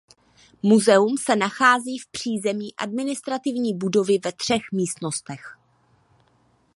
Muzeum se nachází v přízemí administrativní budovy ve třech místnostech.